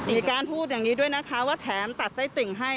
มีการพูดอย่างนี้ด้วยนะคะว่าแถมตัดไส้ติ่งให้